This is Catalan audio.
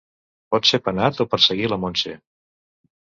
Pot ser penat o perseguir la Montse.